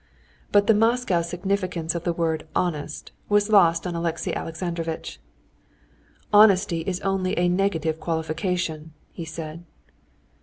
But the Moscow significance of the word "honest" was lost on Alexey Alexandrovitch. "Honesty is only a negative qualification," he said.